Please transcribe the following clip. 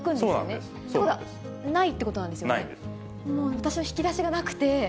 私は引き出しがなくて。